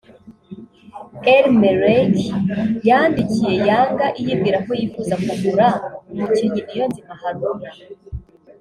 El-Merreikh yandikiye Yanga iyibwira ko yifuza kugura umukinnyi Niyonzima Haruna